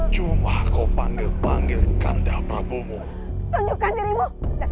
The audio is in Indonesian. cuma kau panggil panggilkan dabrabumu tunjukkan dirimu